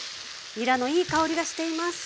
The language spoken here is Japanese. にらのいい香りがしています。